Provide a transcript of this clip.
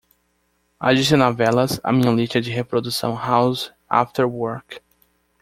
Adicionar velas à minha lista de reprodução House After Work.